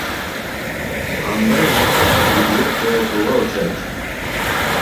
Андай кылсак бюджет жоготууга учурайт.